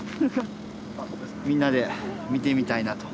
みんなで見てみたいなと。